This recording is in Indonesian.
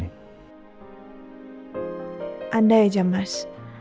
bahw ada jadi aja mas